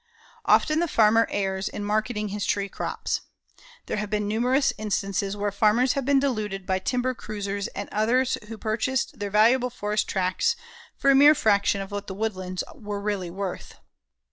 Often the farmer errs in marketing his tree crops. There have been numerous instances where farmers have been deluded by timber cruisers and others who purchased their valuable forest tracts for a mere fraction of what the woodlands were really worth.